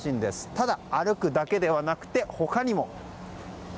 ただ、歩くだけではなくて他にも。